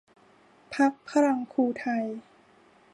พรรคพลังครูไทย